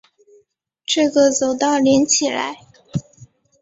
这个走道连起来